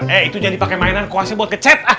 eh itu jangan dipake mainan kuasnya buat ngecat